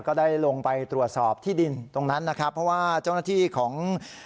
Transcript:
ก็ได้ลงไปตรวจสอบที่ดินตรงนั้นนะครับเพราะว่าเจ้าหน้าที่ของ